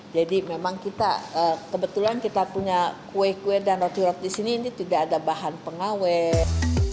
jadi memang kita kebetulan kita punya kue kue dan roti roti di sini ini tidak ada bahan pengawet